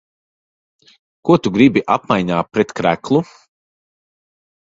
Ko tu gribi apmaiņā pret kreklu?